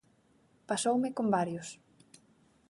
Pasoume con varios.